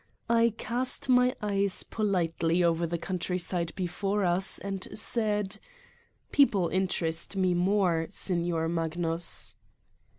I cast my eyes politely over the countryside before us and said : "People interest me more, Signor Magnus.